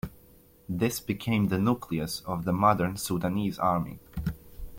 This became the nucleus of the modern Sudanese Army.